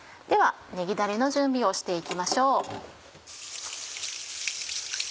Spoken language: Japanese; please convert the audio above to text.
ではねぎだれの準備をして行きましょう。